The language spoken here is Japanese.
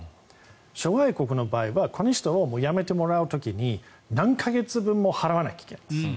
諸外国の場合はこの人を辞めてもらう時に何か月分も払わないといけないんですよ。